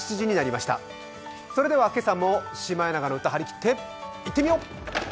それでは今朝も「シマエナガの歌」はりきっていってみよう！